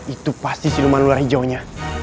itu pasti siluman lelang hijau nya